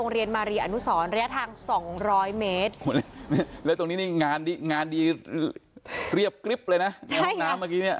เรียบกริ๊บเลยนะน้ำเมื่อกี้นี่